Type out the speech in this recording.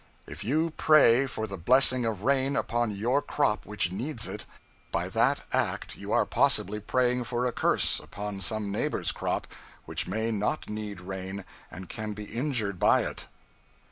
If you pray for the blessing of rain upon your crop which needs it, by that act you are possibly praying for a curse upon some neighbor's crop which may not need rain and can be injured by it.